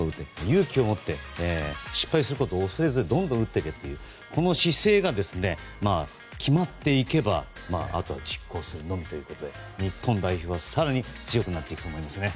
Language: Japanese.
勇気を持って失敗することを恐れずどんどん打っていけという姿勢が決まっていけば、あとは実行するのみということで日本代表は更に強くなっていくと思いますね。